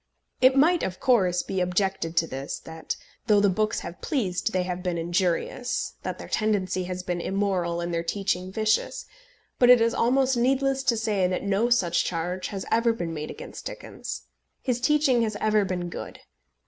It might of course be objected to this, that though the books have pleased they have been injurious, that their tendency has been immoral and their teaching vicious; but it is almost needless to say that no such charge has ever been made against Dickens. His teaching has ever been good.